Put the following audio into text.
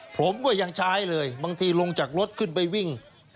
ผมก็ยังใช้เลยบางทีลงจากรถขึ้นไปวิ่ง